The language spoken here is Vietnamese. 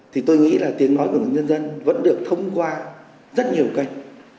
thì tôi nghĩ là tiếng nói của những nhân dân vẫn được thông qua rất nhiều cách